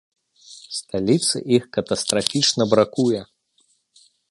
Сталіцы іх катастрафічна бракуе.